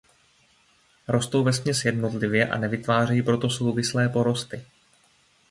Rostou vesměs jednotlivě a nevytvářejí proto souvislé porosty.